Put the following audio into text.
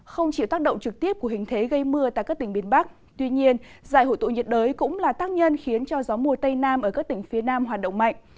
không chịu tác động trực tiếp của hình thế gây mưa tại các tỉnh miền bắc tuy nhiên giải hội tụ nhiệt đới cũng là tác nhân khiến cho gió mùa tây nam ở các tỉnh phía nam hoạt động mạnh